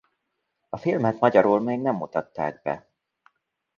A filmet magyarul még nem mutatták be.